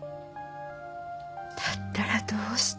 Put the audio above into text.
だったらどうして？